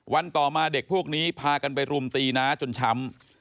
ต่อมาเด็กพวกนี้พากันไปรุมตีน้าจนช้ำ